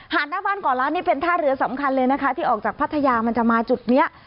หน้าบ้านก่อล้านนี่เป็นท่าเรือสำคัญเลยนะคะที่ออกจากพัทยามันจะมาจุดเนี้ย